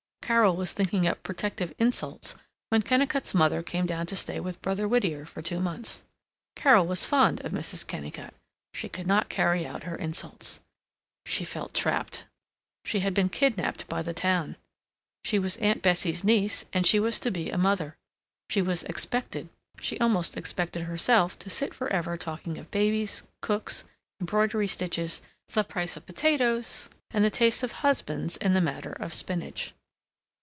Carol was thinking up protective insults when Kennicott's mother came down to stay with Brother Whittier for two months. Carol was fond of Mrs. Kennicott. She could not carry out her insults. She felt trapped. She had been kidnaped by the town. She was Aunt Bessie's niece, and she was to be a mother. She was expected, she almost expected herself, to sit forever talking of babies, cooks, embroidery stitches, the price of potatoes, and the tastes of husbands in the matter of spinach.